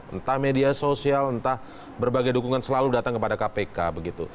entah media sosial entah berbagai dukungan selalu datang kepada kpk begitu